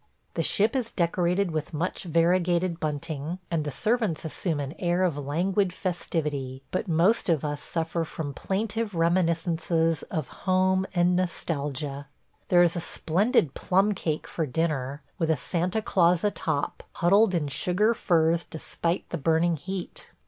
The ship is decorated with much variegated bunting, and the servants assume an air of languid festivity; but most of us suffer from plaintive reminiscences of home and nostalgia. There is a splendid plum cake for dinner, with a Santa Claus atop, huddled in sugar furs despite the burning heat.